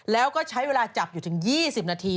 แล้วก็ใช้เวลาจับอยู่ถึง๒๐นาที